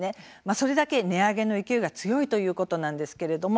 それだけ値上げの勢いが強いということなんです。